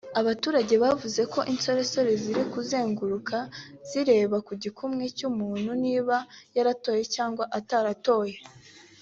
Abaturage bavuze ko insoresore ziri kuzenguruka zireba ku gikumwe cy’umuntu niba yaratoye cyangwa ataratoye